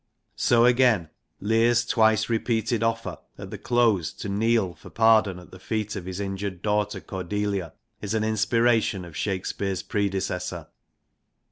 So again Lear's twice repeated offer at the close to kneel for pardon at the feet of his injured daughter Cordelia is an inspiration of Shakespeare's predecessor.